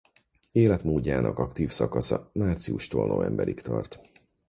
Életmódjának aktív szakasza márciustól novemberig tart.